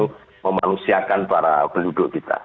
untuk memanusiakan para penduduk kita